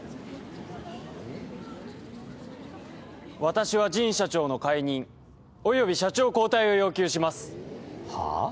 私は神社長の解任および社長交代を要求しますはあ？